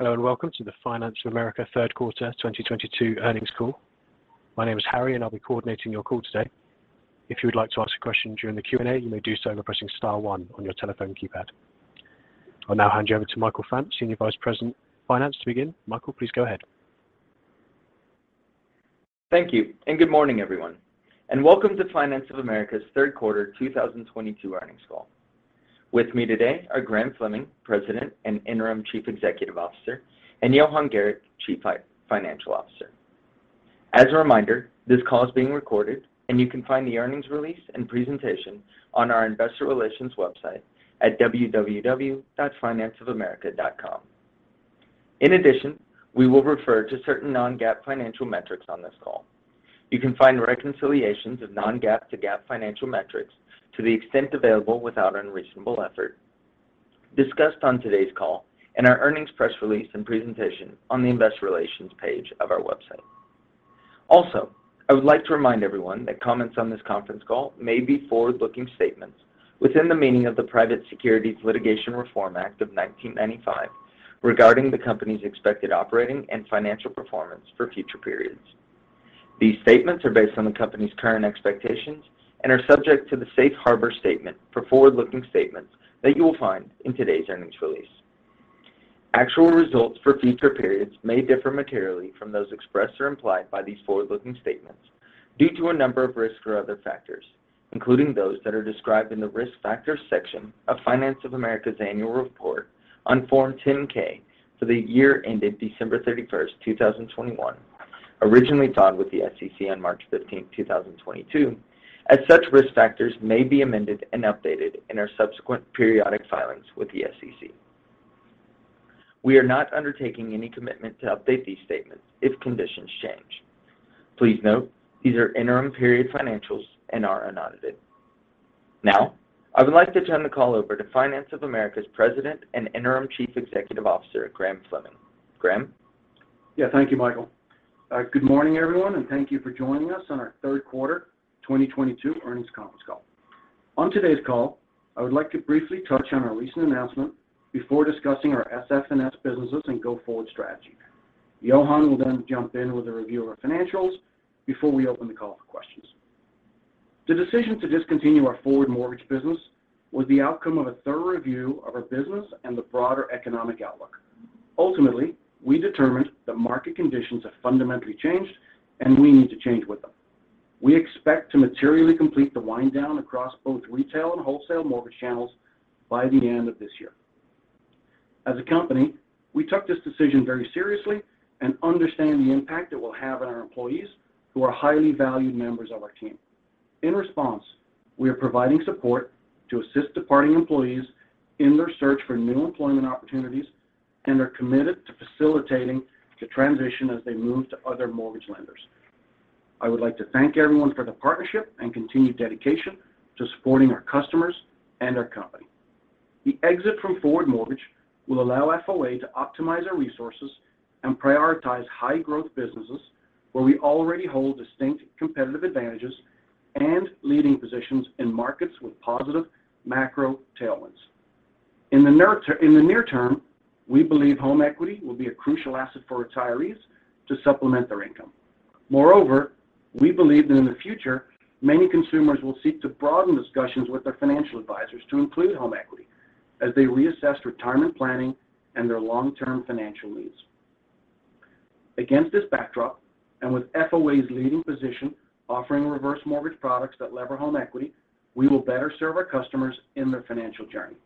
Hello and welcome to the Finance of America third quarter 2022 earnings call. My name is Harry, and I'll be coordinating your call today. If you would like to ask a question during the Q&A, you may do so by pressing star one on your telephone keypad. I'll now hand you over to Michael Fant, Senior Vice President of Finance, to begin. Michael, please go ahead. Thank you. Good morning, everyone, and welcome to Finance of America's third quarter 2022 earnings call. With me today are Graham Fleming, President and Interim Chief Executive Officer, and Johan Gericke, Chief Financial Officer. As a reminder, this call is being recorded, and you can find the earnings release and presentation on our investor relations website at www.financeofamerica.com. In addition, we will refer to certain non-GAAP financial metrics on this call. You can find reconciliations of non-GAAP to GAAP financial metrics to the extent available without unreasonable effort discussed on today's call in our earnings press release and presentation on the investor relations page of our website. Also, I would like to remind everyone that comments on this conference call may be forward-looking statements within the meaning of the Private Securities Litigation Reform Act of 1995 regarding the company's expected operating and financial performance for future periods. These statements are based on the company's current expectations and are subject to the safe harbor statement for forward-looking statements that you will find in today's earnings release. Actual results for future periods may differ materially from those expressed or implied by these forward-looking statements due to a number of risks or other factors, including those that are described in the risk factors section of Finance of America's Annual Report on Form 10-K for the year ended December 31st, 2021, originally filed with the SEC on March 15th, 2022. As such, risk factors may be amended and updated in our subsequent periodic filings with the SEC. We are not undertaking any commitment to update these statements if conditions change. Please note, these are interim period financials and are unaudited. Now, I would like to turn the call over to Finance of America's President and Interim Chief Executive Officer, Graham Fleming. Graham? Yeah. Thank you, Michael. Good morning, everyone, and thank you for joining us on our third quarter 2022 earnings conference call. On today's call, I would like to briefly touch on our recent announcement before discussing our SF&S businesses and go-forward strategy. Johan will then jump in with a review of our financials before we open the call for questions. The decision to discontinue our forward mortgage business was the outcome of a thorough review of our business and the broader economic outlook. Ultimately, we determined that market conditions have fundamentally changed, and we need to change with them. We expect to materially complete the wind down across both retail and wholesale mortgage channels by the end of this year. As a company, we took this decision very seriously and understand the impact it will have on our employees who are highly valued members of our team. In response, we are providing support to assist departing employees in their search for new employment opportunities and are committed to facilitating the transition as they move to other mortgage lenders. I would like to thank everyone for the partnership and continued dedication to supporting our customers and our company. The exit from forward mortgage will allow FOA to optimize our resources and prioritize high-growth businesses where we already hold distinct competitive advantages and leading positions in markets with positive macro tailwinds. In the near term, we believe home equity will be a crucial asset for retirees to supplement their income. Moreover, we believe that in the future, many consumers will seek to broaden discussions with their financial advisors to include home equity as they reassess retirement planning and their long-term financial needs. Against this backdrop and with FOA's leading position offering reverse mortgage products that leverage home equity, we will better serve our customers in their financial journey.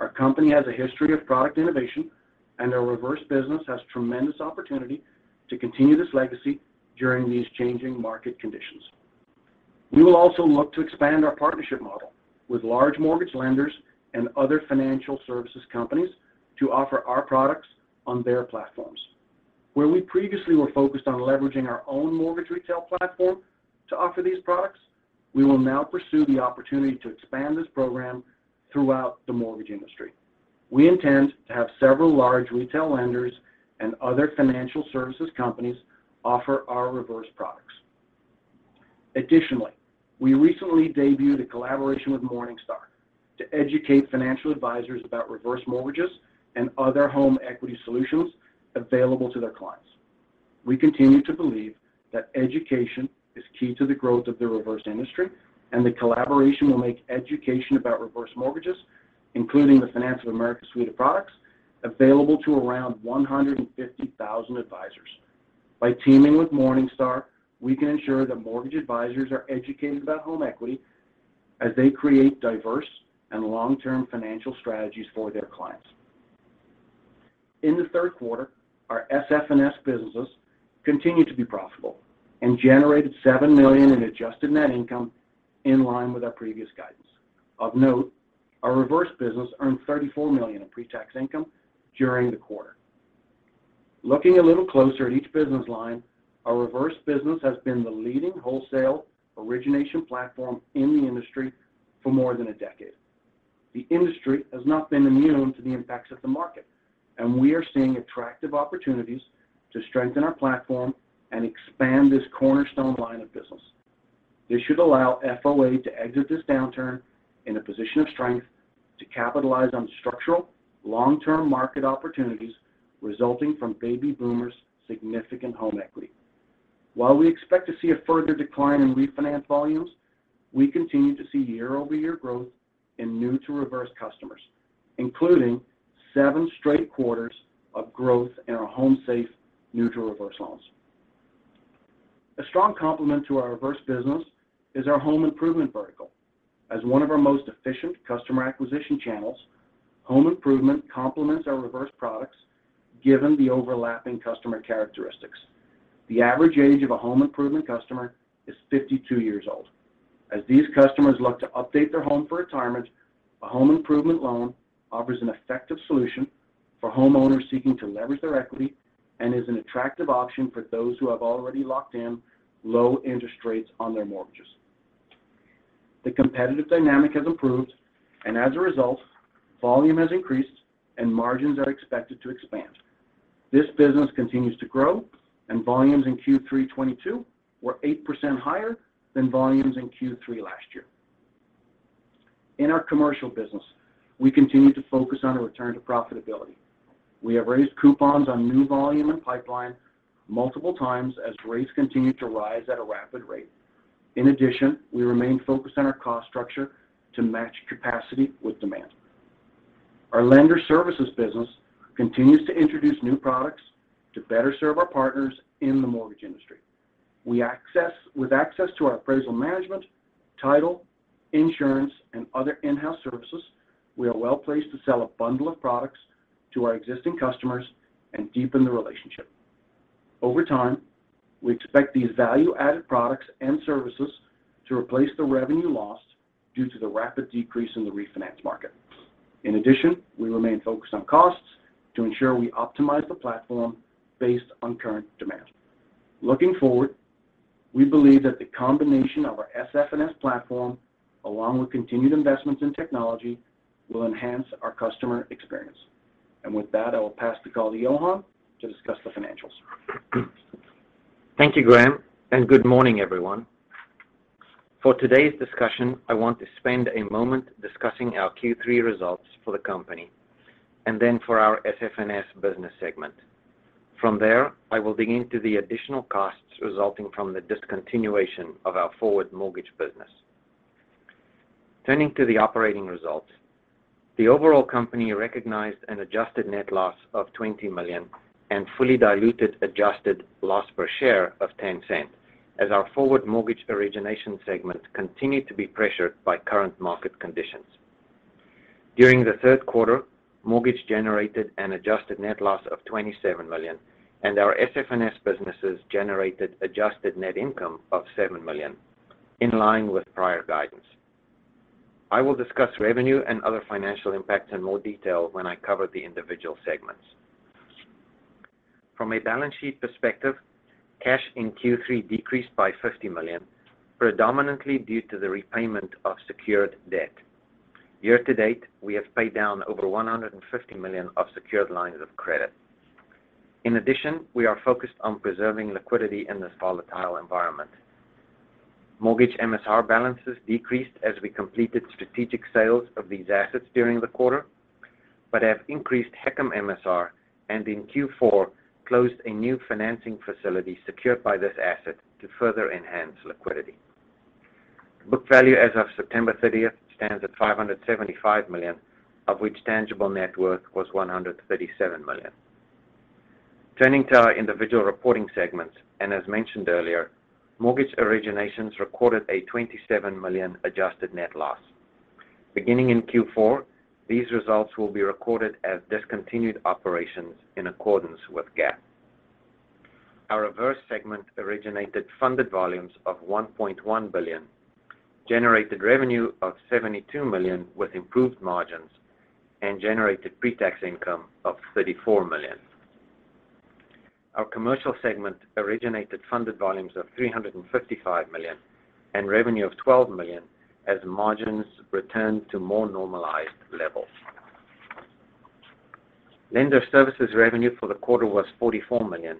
Our company has a history of product innovation, and our reverse business has tremendous opportunity to continue this legacy during these changing market conditions. We will also look to expand our partnership model with large mortgage lenders and other financial services companies to offer our products on their platforms. Where we previously were focused on leveraging our own mortgage retail platform to offer these products, we will now pursue the opportunity to expand this program throughout the mortgage industry. We intend to have several large retail lenders and other financial services companies offer our reverse products. Additionally, we recently debuted a collaboration with Morningstar to educate financial advisors about reverse mortgages and other home equity solutions available to their clients. We continue to believe that education is key to the growth of the reverse industry, and the collaboration will make education about reverse mortgages, including the Finance of America suite of products, available to around 150,000 advisors. By teaming with Morningstar, we can ensure that mortgage advisors are educated about home equity as they create diverse and long-term financial strategies for their clients. In the third quarter, our SF&S businesses continued to be profitable and generated $7 million in adjusted net income in line with our previous guidance. Of note, our reverse business earned $34 million in pre-tax income during the quarter. Looking a little closer at each business line, our reverse business has been the leading wholesale origination platform in the industry for more than a decade. The industry has not been immune to the impacts of the market, and we are seeing attractive opportunities to strengthen our platform and expand this cornerstone line of business. This should allow FOA to exit this downturn in a position of strength to capitalize on structural long-term market opportunities resulting from baby boomers' significant home equity. While we expect to see a further decline in refinance volumes, we continue to see year-over-year growth in new to reverse customers, including seven straight quarters of growth in our HomeSafe new to reverse loans. A strong complement to our reverse business is our home improvement vertical. As one of our most efficient customer acquisition channels, home improvement complements our reverse products given the overlapping customer characteristics. The average age of a home improvement customer is 52 years old. As these customers look to update their home for retirement, a home improvement loan offers an effective solution for homeowners seeking to leverage their equity and is an attractive option for those who have already locked in low interest rates on their mortgages. The competitive dynamic has improved, and as a result, volume has increased and margins are expected to expand. This business continues to grow, and volumes in Q3 2022 were 8% higher than volumes in Q3 last year. In our commercial business, we continue to focus on a return to profitability. We have raised coupons on new volume and pipeline multiple times as rates continue to rise at a rapid rate. In addition, we remain focused on our cost structure to match capacity with demand. Our lender services business continues to introduce new products to better serve our partners in the mortgage industry. With access to our appraisal management, title, insurance, and other in-house services, we are well-placed to sell a bundle of products to our existing customers and deepen the relationship. Over time, we expect these value-added products and services to replace the revenue lost due to the rapid decrease in the refinance market. In addition, we remain focused on costs to ensure we optimize the platform based on current demand. Looking forward, we believe that the combination of our SF&S platform, along with continued investments in technology, will enhance our customer experience. With that, I will pass the call to Johan to discuss the financials. Thank you, Graham, and good morning, everyone. For today's discussion, I want to spend a moment discussing our Q3 results for the company and then for our SF&S business segment. From there, I will dig into the additional costs resulting from the discontinuation of our forward mortgage business. Turning to the operating results, the overall company recognized an adjusted net loss of $20 million and fully diluted adjusted loss per share of $0.10, as our forward mortgage origination segment continued to be pressured by current market conditions. During the third quarter, mortgage generated an adjusted net loss of $27 million, and our SF&S businesses generated adjusted net income of $7 million in line with prior guidance. I will discuss revenue and other financial impacts in more detail when I cover the individual segments. From a balance sheet perspective, cash in Q3 decreased by $50 million, predominantly due to the repayment of secured debt. Year to date, we have paid down over $150 million of secured lines of credit. In addition, we are focused on preserving liquidity in this volatile environment. Mortgage MSR balances decreased as we completed strategic sales of these assets during the quarter, but have increased HECM MSR and in Q4 closed a new financing facility secured by this asset to further enhance liquidity. Book value as of September 30th stands at $575 million, of which tangible net worth was $137 million. Turning to our individual reporting segments, and as mentioned earlier, mortgage originations recorded a $27 million adjusted net loss. Beginning in Q4, these results will be recorded as discontinued operations in accordance with GAAP. Our reverse segment originated funded volumes of $1.1 billion, generated revenue of $72 million with improved margins, and generated pre-tax income of $34 million. Our commercial segment originated funded volumes of $355 million and revenue of $12 million as margins returned to more normalized levels. Lender services revenue for the quarter was $44 million,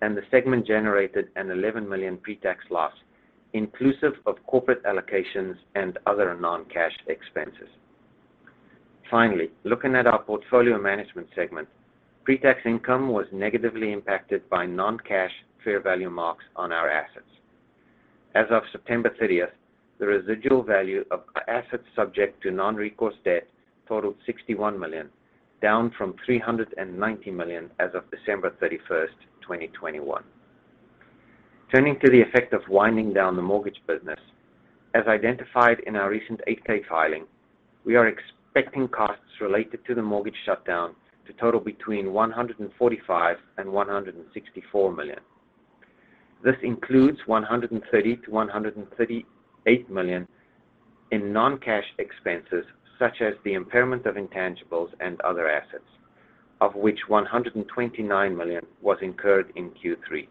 and the segment generated an $11 million pre-tax loss, inclusive of corporate allocations and other non-cash expenses. Finally, looking at our portfolio management segment, pre-tax income was negatively impacted by non-cash fair value marks on our assets. As of September 30th, the residual value of assets subject to non-recourse debt totaled $61 million, down from $390 million as of December 31st, 2021. Turning to the effect of winding down the mortgage business, as identified in our recent 8-K filing, we are expecting costs related to the mortgage shutdown to total between $145 and $164 million. This includes $130-$138 million in non-cash expenses, such as the impairment of intangibles and other assets, of which $129 million was incurred in Q3.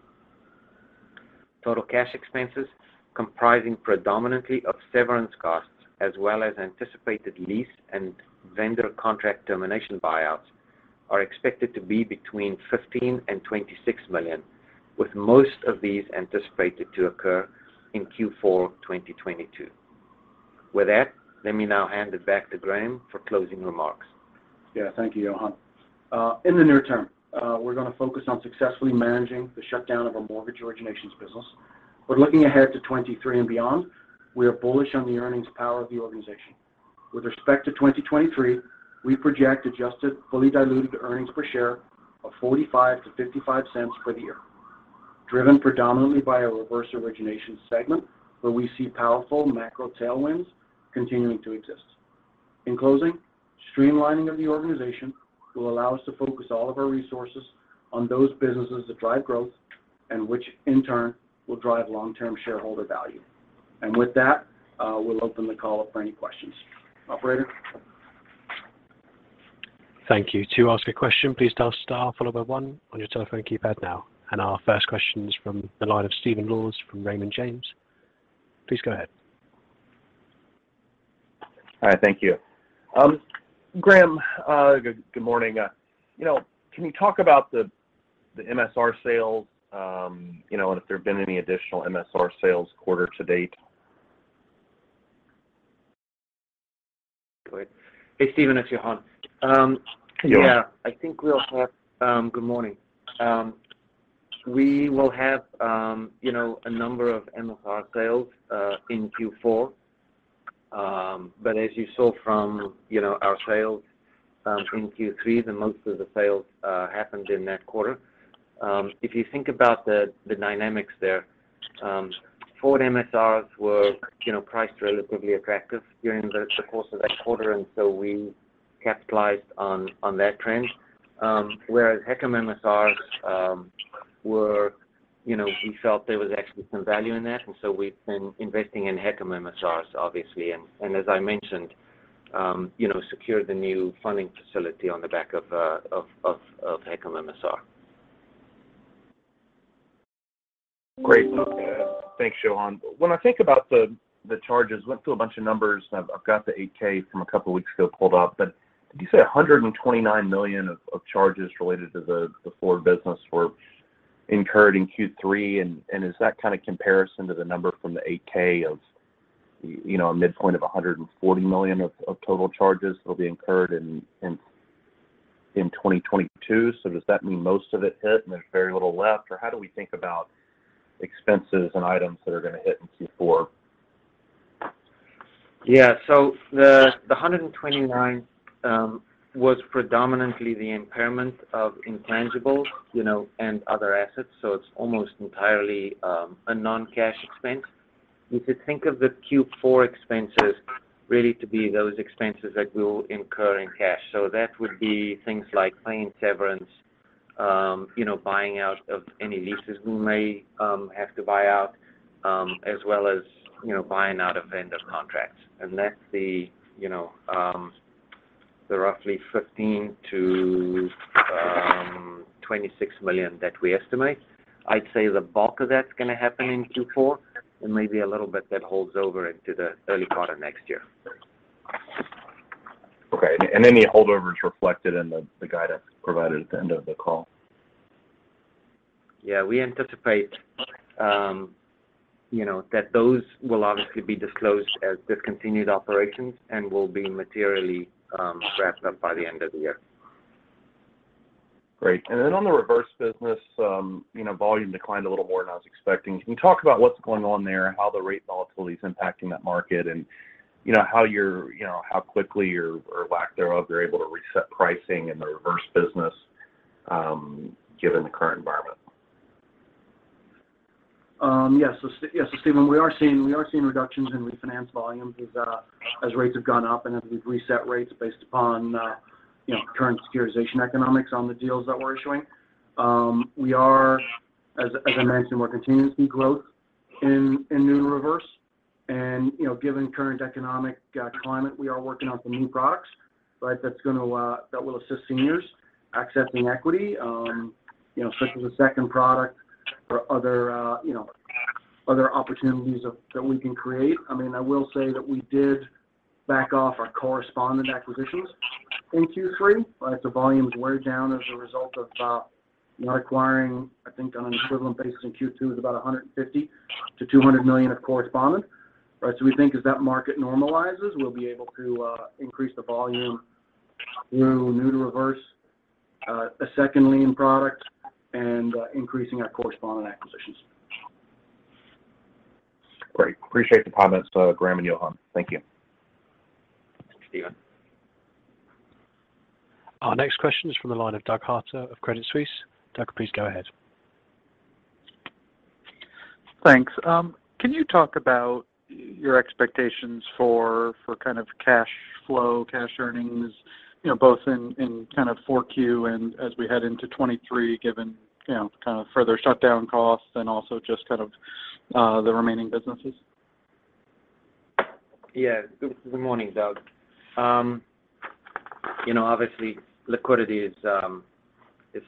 Total cash expenses, comprising predominantly of severance costs as well as anticipated lease and vendor contract termination buyouts. Are expected to be between $15 and $26 million, with most of these anticipated to occur in Q4 2022. With that, let me now hand it back to Graham for closing remarks. Yeah. Thank you, Johan. In the near term, we're gonna focus on successfully managing the shutdown of our mortgage originations business. Looking ahead to 2023 and beyond, we are bullish on the earnings power of the organization. With respect to 2023, we project adjusted, fully diluted earnings per share of $0.45-$0.55 for the year, driven predominantly by our reverse origination segment, where we see powerful macro tailwinds continuing to exist. In closing, streamlining of the organization will allow us to focus all of our resources on those businesses that drive growth and which in turn will drive long-term shareholder value. With that, we'll open the call up for any questions. Operator? Thank you. To ask a question, please dial star followed by one on your telephone keypad now. Our first question is from the line of Stephen Laws from Raymond James. Please go ahead. All right, thank you. Graham, good morning. You know, can you talk about the MSR sales, you know, and if there have been any additional MSR sales quarter to date? Great. Hey, Stephen, it's Johan. Johan. Yeah, I think we all have good morning. We will have you know a number of MSR sales in Q4. But as you saw from you know our sales in Q3, the most of the sales happened in that quarter. If you think about the dynamics there, forward MSRs were you know priced relatively attractive during the course of that quarter, and so we capitalized on that trend. Whereas HECM MSRs were you know we felt there was actually some value in that, and so we've been investing in HECM MSRs obviously. As I mentioned you know secured the new funding facility on the back of HECM MSR. Great. Thanks, Johan. When I think about the charges, I went through a bunch of numbers. I've got the 8-K from a couple weeks ago pulled up. Did you say $129 million of charges related to the forward business were incurred in Q3? Is that kind of comparison to the number from the 8-K of you know, a midpoint of $140 million of total charges that'll be incurred in 2022? Does that mean most of it hit and there's very little left, or how do we think about expenses and items that are gonna hit in Q4? Yeah. The $129 was predominantly the impairment of intangibles, you know, and other assets, so it's almost entirely a non-cash expense. You could think of the Q4 expenses really to be those expenses that we'll incur in cash. That would be things like paying severance, you know, buying out of any leases we may have to buy out, as well as, you know, buying out of vendor contracts. That's the roughly $15-$26 million that we estimate. I'd say the bulk of that's gonna happen in Q4 and maybe a little bit that holds over into the early quarter next year. Okay. Any holdover is reflected in the guidance provided at the end of the call? Yeah. We anticipate, you know, that those will obviously be disclosed as discontinued operations and will be materially wrapped up by the end of the year. Great. Then on the reverse business, you know, volume declined a little more than I was expecting. Can you talk about what's going on there, how the rate volatility is impacting that market, and, you know, how quickly or lack thereof you're able to reset pricing in the reverse business, given the current environment? Yeah. Stephen, we are seeing reductions in refinance volumes as rates have gone up and as we've reset rates based upon you know, current securitization economics on the deals that we're issuing. As I mentioned, we're continuing to see growth in new reverse. You know, given current economic climate, we are working on some new products right that will assist seniors accessing equity you know such as a second product or other opportunities that we can create. I mean, I will say that we did back off our correspondent acquisitions in Q3. Right? So volumes were down as a result of not acquiring, I think on an equivalent basis in Q2 is about $150-$200 million of correspondent. Right? We think as that market normalizes, we'll be able to increase the volume through new to reverse, a second lien product, and increasing our correspondent acquisitions. Great. Appreciate the comments, Graham and Johan. Thank you. Thanks, Stephen. Our next question is from the line of Doug Harter of Credit Suisse. Doug, please go ahead. Thanks. Can you talk about your expectations for kind of cash flow, cash earnings, you know, both in kind of 4Q and as we head into 2023, given, you know, kind of further shutdown costs and also just kind of the remaining businesses? Yeah. Good morning, Doug. You know, obviously liquidity is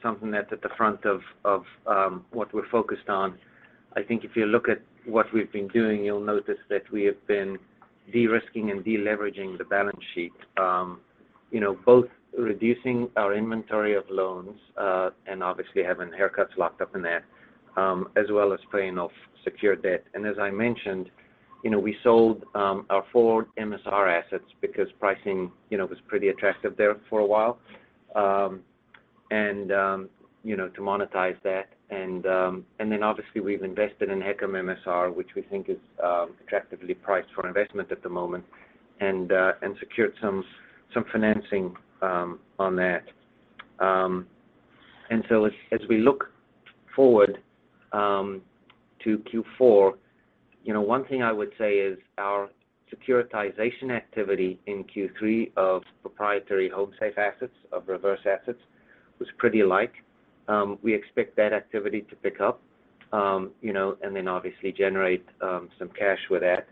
something that's at the front of what we're focused on. I think if you look at what we've been doing, you'll notice that we have been de-risking and deleveraging the balance sheet, you know, both reducing our inventory of loans and obviously having haircuts locked up in that, as well as paying off secured debt. As I mentioned, you know, we sold our forward MSR assets because pricing, you know, was pretty attractive there for a while and you know, to monetize that. Then obviously we've invested in HECM MSR, which we think is attractively priced for investment at the moment and secured some financing on that. As we look forward to Q4, you know, one thing I would say is our securitization activity in Q3 of proprietary HomeSafe assets of reverse assets was pretty light. We expect that activity to pick up, you know, and then obviously generate some cash with that.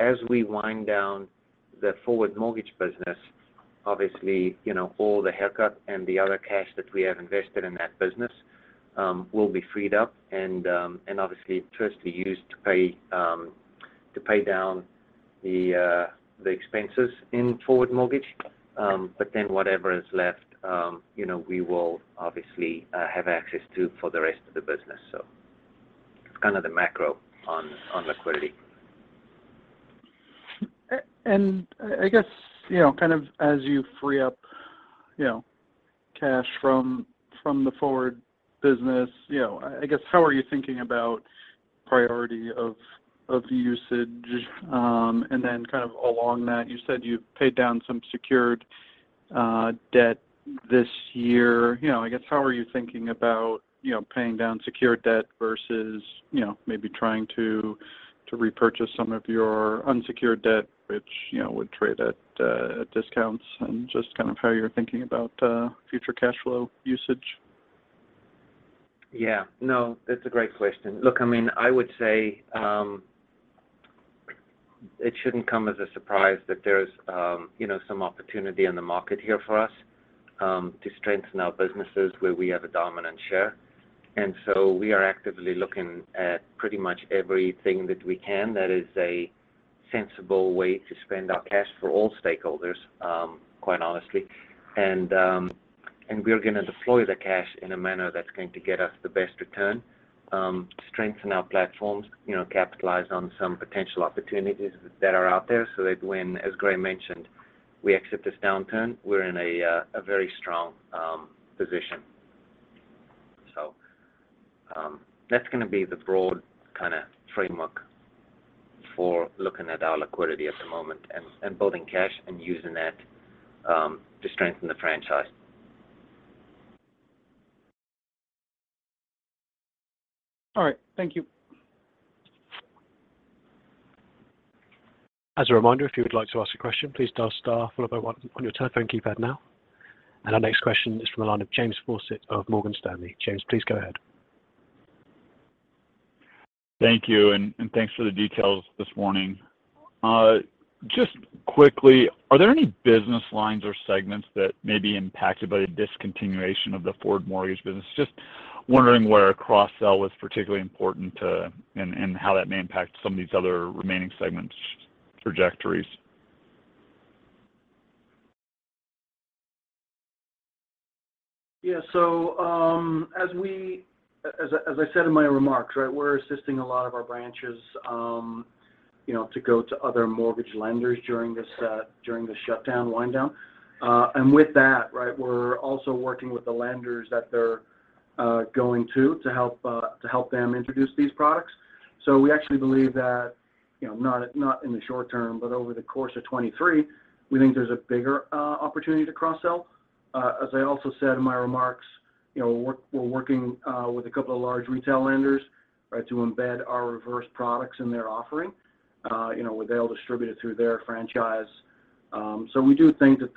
As we wind down the forward mortgage business, obviously, you know, all the haircut and the other cash that we have invested in that business will be freed up and obviously first be used to pay down the expenses in forward mortgage. Whatever is left, you know, we will obviously have access to for the rest of the business. It's kind of the macro on liquidity. I guess, you know, kind of as you free up, you know, cash from the forward business, you know, I guess how are you thinking about priority of the usage? Kind of along that, you said you've paid down some secured debt this year. You know, I guess, how are you thinking about, you know, paying down secured debt versus, you know, maybe trying to repurchase some of your unsecured debt, which, you know, would trade at discounts and just kind of how you're thinking about future cash flow usage? Yeah. No, it's a great question. Look, I mean, I would say, it shouldn't come as a surprise that there's, you know, some opportunity in the market here for us, to strengthen our businesses where we have a dominant share. We are actively looking at pretty much everything that we can that is a sensible way to spend our cash for all stakeholders, quite honestly. We're gonna deploy the cash in a manner that's going to get us the best return, strengthen our platforms, you know, capitalize on some potential opportunities that are out there so that when, as Graham mentioned, we exit this downturn, we're in a very strong position. That's gonna be the broad kind of framework for looking at our liquidity at the moment and building cash and using that to strengthen the franchise. All right. Thank you. As a reminder, if you would like to ask a question, please dial star followed by one on your telephone keypad now. Our next question is from the line of James Faucette of Morgan Stanley. James, please go ahead. Thank you, and thanks for the details this morning. Just quickly, are there any business lines or segments that may be impacted by the discontinuation of the forward mortgage business? Just wondering where a cross-sell is particularly important to and how that may impact some of these other remaining segments' trajectories. Yeah. As I said in my remarks, right, we're assisting a lot of our branches, you know, to go to other mortgage lenders during this shutdown wind down. With that, right, we're also working with the lenders that they're going to help them introduce these products. We actually believe that, you know, not in the short term, but over the course of 2023, we think there's a bigger opportunity to cross-sell. As I also said in my remarks, you know, we're working with a couple of large retail lenders, right, to embed our reverse products in their offering, you know, where they'll distribute it through their franchise. We do think that,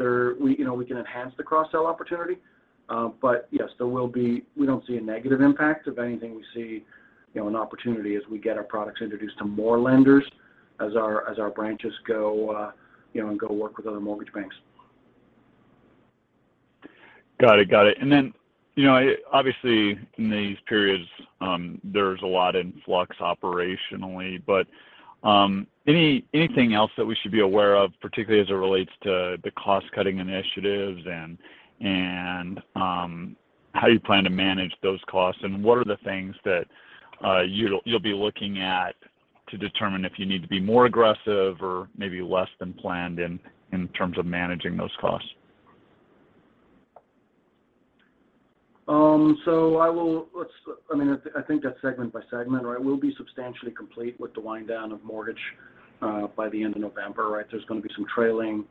you know, we can enhance the cross-sell opportunity. But, yes, there will be, we don't see a negative impact. If anything, we see, you know, an opportunity as we get our products introduced to more lenders as our branches go, you know, and go work with other mortgage banks. Got it. You know, obviously in these periods, there's a lot influx operationally, but anything else that we should be aware of, particularly as it relates to the cost-cutting initiatives and how you plan to manage those costs, and what are the things that you'll be looking at to determine if you need to be more aggressive or maybe less than planned in terms of managing those costs? I mean, I think that's segment by segment, right? We'll be substantially complete with the wind down of mortgage by the end of November, right? There's gonna be some trailing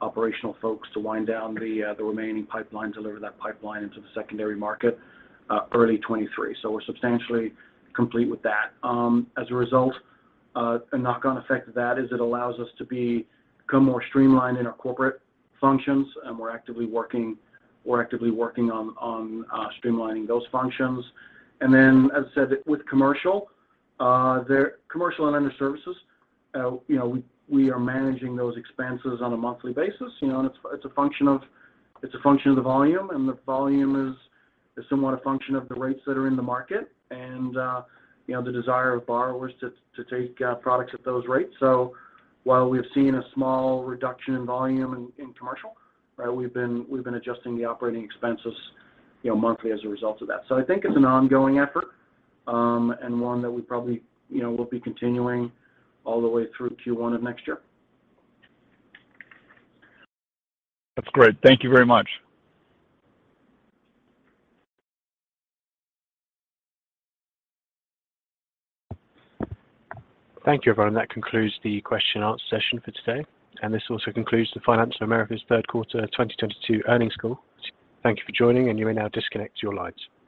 operational folks to wind down the remaining pipeline, deliver that pipeline into the secondary market early 2023. We're substantially complete with that. As a result, a knock-on effect of that is it allows us to become more streamlined in our corporate functions, and we're actively working on streamlining those functions. As I said, with commercial and lender services, you know, we are managing those expenses on a monthly basis. You know, it's a function of the volume, and the volume is somewhat a function of the rates that are in the market and, you know, the desire of borrowers to take products at those rates. While we've seen a small reduction in volume in commercial, right, we've been adjusting the operating expenses, you know, monthly as a result of that. I think it's an ongoing effort, and one that we probably, you know, will be continuing all the way through Q1 of next year. That's great. Thank you very much. Thank you, everyone. That concludes the question and answer session for today, and this also concludes the Finance of America's third quarter 2022 earnings call. Thank you for joining, and you may now disconnect your lines.